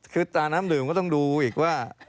คือตาน้ำดื่มก็ต้องดูอีกว่า